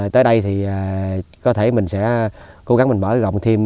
tới đây thì có thể mình sẽ cố gắng mình mở rộng thêm